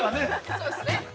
◆そうですね。